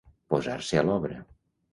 Posar-se a l'obra.